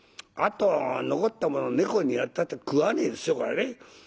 あと残ったもの猫にやったって食わねえでしょうからね。